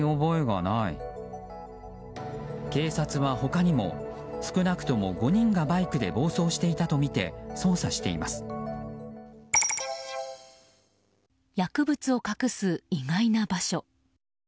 警察は他にも少なくとも５人がバイクで暴走していたとみて捜査しています。